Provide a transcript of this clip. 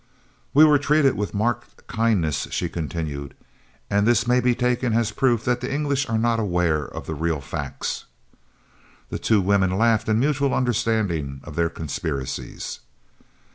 "We were treated with marked kindness," she continued, "and this may be taken as proof that the English are not aware of the real facts." The two women laughed in mutual understanding of their conspiracies.